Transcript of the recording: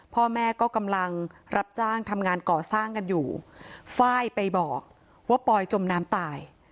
พ่อแม่ก็กำลังรับจ้างทำงานก่อสร้างกันอยู่ไฟล์ไปบอกว่าปอยจมน้ำตาย